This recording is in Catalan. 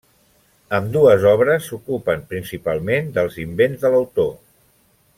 Ambdues obres s'ocupen, principalment, dels invents de l'autor.